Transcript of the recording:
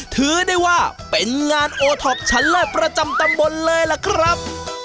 ถือได้ว่าเป็นงานโอท็อปชั้นเลิศประจำตำบลเลยล่ะครับ